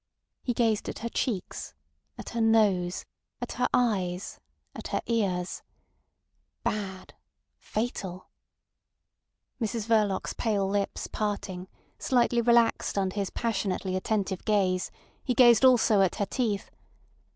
He gazed at her cheeks, at her nose, at her eyes, at her ears. ... Bad! ... Fatal! Mrs Verloc's pale lips parting, slightly relaxed under his passionately attentive gaze, he gazed also at her teeth.